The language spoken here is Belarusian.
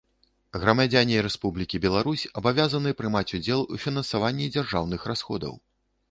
Грамадзяне Рэспублікі Беларусь абавязаны прымаць удзел у фінансаванні дзяржаўных расходаў.